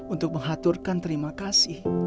untuk mengaturkan terima kasih